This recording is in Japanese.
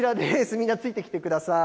みんなついてきてください。